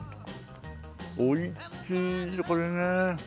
美味しいこれね。